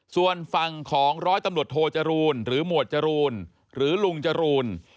ส่วนฝั่งของร้อยตำรวจโทจรูลหรือหมวดจรูนหรือลุงจรูน